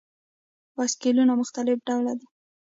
بایسکلونه مختلف ډوله دي.